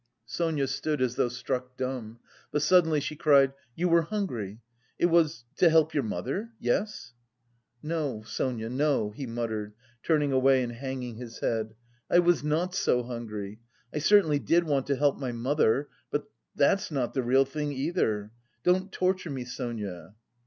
Sonia stood as though struck dumb, but suddenly she cried: "You were hungry! It was... to help your mother? Yes?" "No, Sonia, no," he muttered, turning away and hanging his head. "I was not so hungry.... I certainly did want to help my mother, but... that's not the real thing either.... Don't torture me, Sonia."